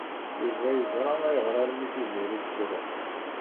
Yuba yeẓra ayɣer armi Tiziri tettru.